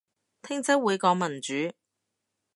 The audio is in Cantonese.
聽週會講民主